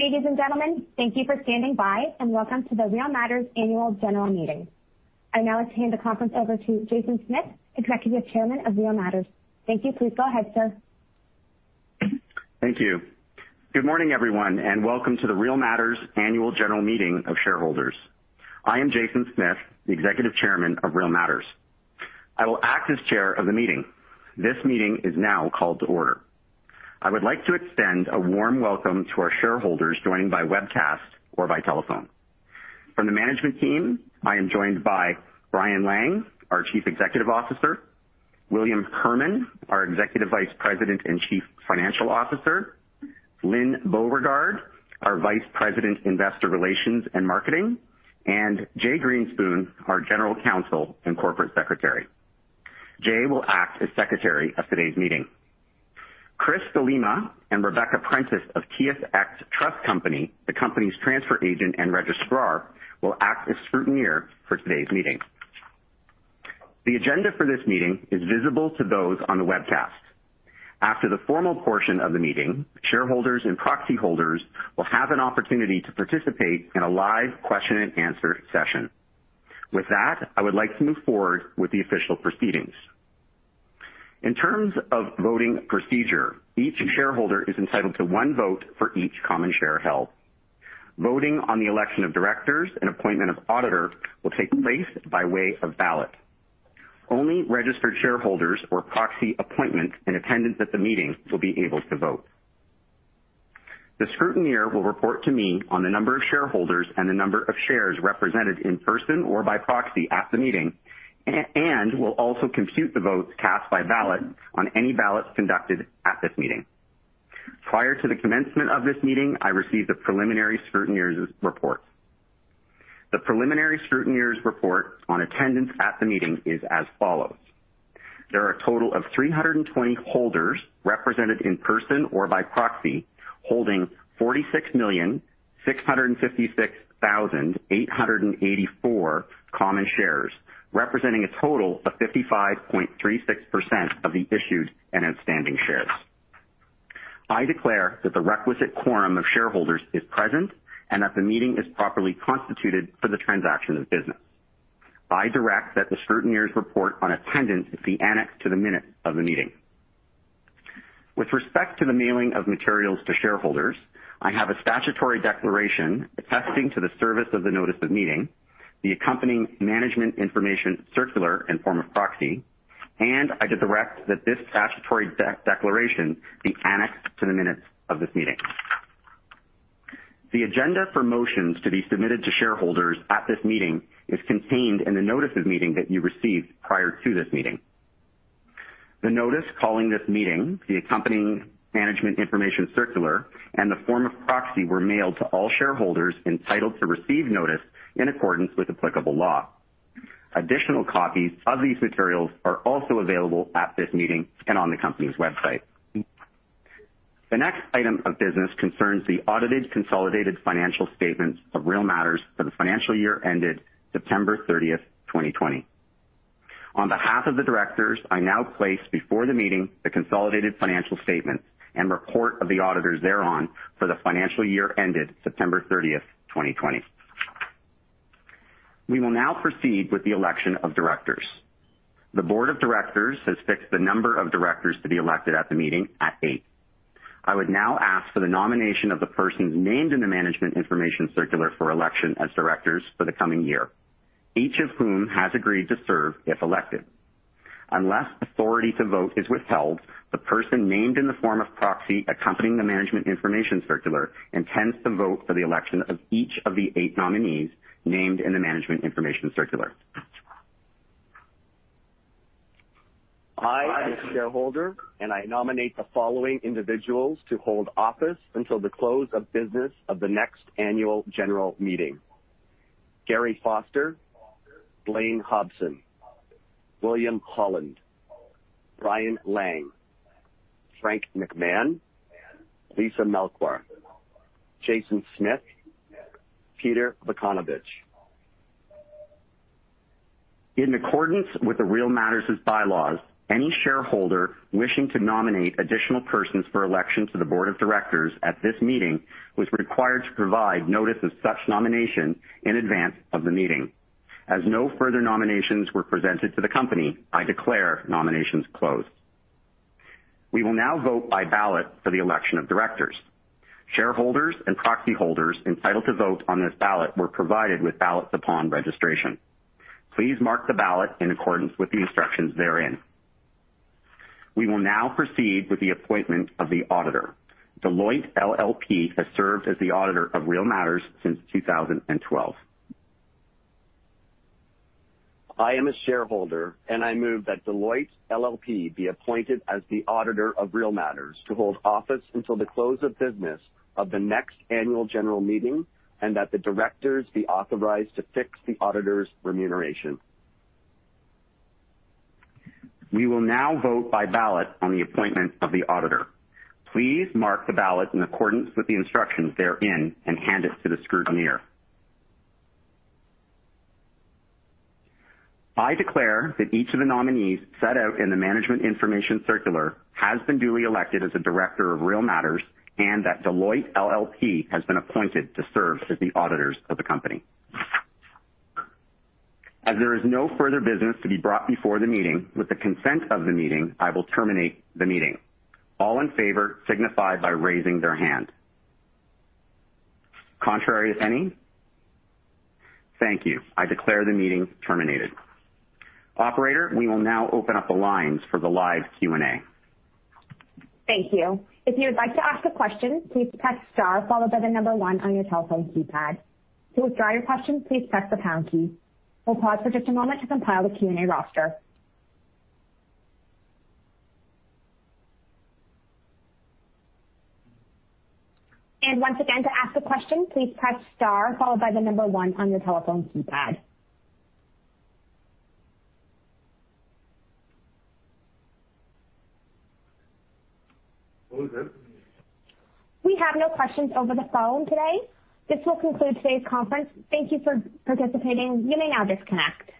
Ladies and gentlemen, thank you for standing by, and welcome to the Real Matters Annual General Meeting. I now would hand the conference over to Jason Smith, Executive Chairman of Real Matters. Thank you. Please go ahead, sir. Thank you. Good morning, everyone, and welcome to the Real Matters Annual General Meeting of Shareholders. I am Jason Smith, the Executive Chairman of Real Matters. I will act as chair of the meeting. This meeting is now called to order. I would like to extend a warm welcome to our shareholders joining by webcast or by telephone. From the management team, I am joined by Brian Lang, our Chief Executive Officer, William Herman, our Executive Vice President and Chief Financial Officer, Lyne Beauregard, our Vice President, Investor Relations and Marketing, and Jay Greenspoon, our General Counsel and Corporate Secretary. Jay will act as secretary of today's meeting. Chris De Lima and Rebecca Prentiss of TSX Trust Company, the company's transfer agent and registrar, will act as scrutineer for today's meeting. The agenda for this meeting is visible to those on the webcast. After the formal portion of the meeting, shareholders and proxy holders will have an opportunity to participate in a live question and answer session. With that, I would like to move forward with the official proceedings. In terms of voting procedure, each shareholder is entitled to one vote for each common share held. Voting on the election of directors and appointment of auditor will take place by way of ballot. Only registered shareholders or proxy appointments in attendance at the meeting will be able to vote. The scrutineer will report to me on the number of shareholders and the number of shares represented in person or by proxy at the meeting and will also compute the votes cast by ballot on any ballots conducted at this meeting. Prior to the commencement of this meeting, I received the preliminary scrutineer's report. The preliminary scrutineer's report on attendance at the meeting is as follows: There are a total of 320 holders represented in person or by proxy holding 46,656,884 common shares, representing a total of 55.36% of the issued and outstanding shares. I declare that the requisite quorum of shareholders is present and that the meeting is properly constituted for the transaction of business. I direct that the scrutineer's report on attendance be annexed to the minute of the meeting. With respect to the mailing of materials to shareholders, I have a statutory declaration attesting to the service of the notice of meeting, the accompanying management information circular and form of proxy, and I direct that this statutory declaration be annexed to the minutes of this meeting. The agenda for motions to be submitted to shareholders at this meeting is contained in the notice of meeting that you received prior to this meeting. The notice calling this meeting, the accompanying management information circular, and the form of proxy were mailed to all shareholders entitled to receive notice in accordance with applicable law. Additional copies of these materials are also available at this meeting and on the company's website. The next item of business concerns the audited consolidated financial statements of Real Matters for the financial year ended September 30, 2020. On behalf of the directors, I now place before the meeting the consolidated financial statements and report of the auditors thereon for the financial year ended September 30, 2020. We will now proceed with the election of directors. The board of directors has fixed the number of directors to be elected at the meeting at eight. I would now ask for the nomination of the persons named in the management information circular for election as directors for the coming year, each of whom has agreed to serve if elected. Unless authority to vote is withheld, the person named in the form of proxy accompanying the management information circular intends to vote for the election of each of the eight nominees named in the management information circular. I, a shareholder, and I nominate the following individuals to hold office until the close of business of the next annual general meeting: Garry Foster. Foster. Blaine Hobson. Hobson. William Holland. Holland. Brian Lang. Lang. Frank McMahon. McMahon. Lisa Melchior. Melchor. Jason Smith. Smith. Peter Vukanovich. Vukanovich. In accordance with the Real Matters' bylaws, any shareholder wishing to nominate additional persons for election to the board of directors at this meeting was required to provide notice of such nomination in advance of the meeting. As no further nominations were presented to the company, I declare nominations closed. We will now vote by ballot for the election of directors. Shareholders and proxy holders entitled to vote on this ballot were provided with ballots upon registration. Please mark the ballot in accordance with the instructions therein. We will now proceed with the appointment of the auditor. Deloitte LLP has served as the auditor of Real Matters since 2012. I am a shareholder, and I move that Deloitte LLP be appointed as the auditor of Real Matters to hold office until the close of business of the next annual general meeting, and that the directors be authorized to fix the auditor's remuneration. We will now vote by ballot on the appointment of the auditor. Please mark the ballot in accordance with the instructions therein and hand it to the scrutineer. I declare that each of the nominees set out in the management information circular has been duly elected as a director of Real Matters and that Deloitte LLP has been appointed to serve as the auditors of the company. As there is no further business to be brought before the meeting, with the consent of the meeting, I will terminate the meeting. All in favor signify by raising their hand. Contrary if any? Thank you. I declare the meeting terminated. Operator, we will now open up the lines for the live Q&A. Thank you. If you would like to ask a question, please press star followed by the number one on your telephone keypad. To withdraw your question, please press the pound key. We'll pause for just a moment to compile the Q&A roster. Once again, to ask a question, please press star followed by the number one on your telephone keypad. Who is it? We have no questions over the phone today. This will conclude today's conference. Thank you for participating. You may now disconnect.